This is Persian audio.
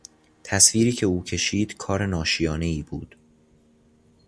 تصویری که او کشید کار ناشیانهای بود.